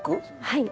はい。